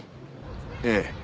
ええ。